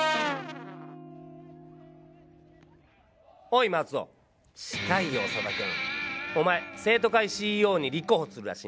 おまえ生徒会ＣＥＯに立候補するらしいな。